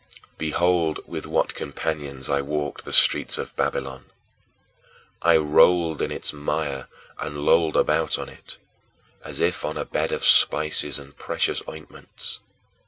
8. Behold with what companions I walked the streets of Babylon! I rolled in its mire and lolled about on it, as if on a bed of spices and precious ointments.